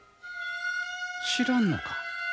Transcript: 知らんのか？